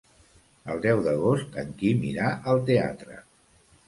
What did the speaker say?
El deu d'agost en Quim irà al teatre.